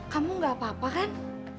kamu gak apa apa kan